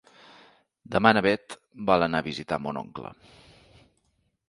Demà na Beth vol anar a visitar mon oncle.